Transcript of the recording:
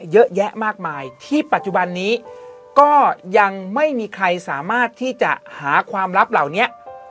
เยอะแยะมากมายที่ปัจจุบันนี้ก็ยังไม่มีใครสามารถที่จะหาความลับเหล่านี้